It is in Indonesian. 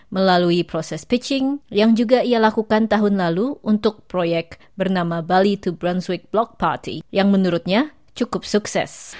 melalui proses pitching yang juga ia lakukan tahun lalu untuk proyek bernama bali to brand suic block party yang menurutnya cukup sukses